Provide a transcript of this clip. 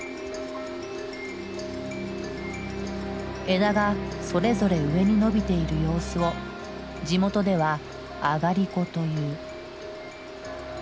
枝がそれぞれ上に伸びている様子を地元では「あがりこ」という。